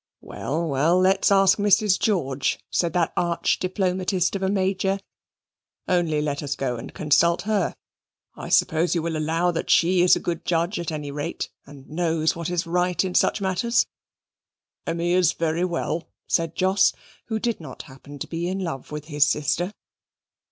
"Well, well; let's ask Mrs. George," said that arch diplomatist of a Major. "Only let us go and consult her. I suppose you will allow that she is a good judge at any rate, and knows what is right in such matters." "Hm! Emmy is very well," said Jos, who did not happen to be in love with his sister.